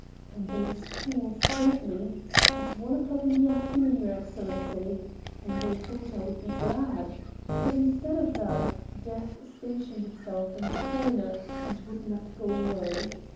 And those fools told me: 'At one o'clock in the afternoon, your Excellency!' and they thought I would be glad. But instead of that Death stationed itself in the corner and would not go away.